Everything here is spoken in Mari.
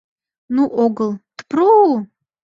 Ну огыл, тпру-у!